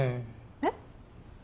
えっ？